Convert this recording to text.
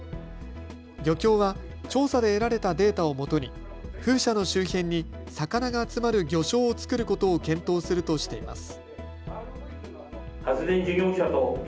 漁協は調査で得られたデータをもとに風車の周辺に魚が集まる魚礁を作ることを検討するとしています。